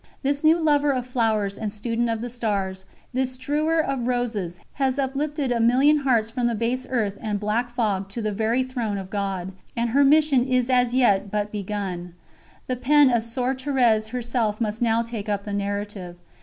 This new lover of flowers and student of the stars, this "strewer of roses," has uplifted a million hearts from the "base earth" and "black fog" to the very throne of God, and her mission is as yet but begun. The pen of Soeur Thérèse herself must now take up the narrative.